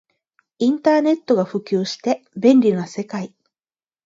インターネットが普及して便利な世界